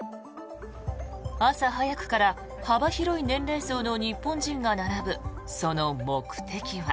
朝早くから幅広い年齢層の日本人が並ぶその目的は。